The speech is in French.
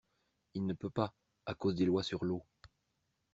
Il ne peut pas, à cause des lois sur l’eau.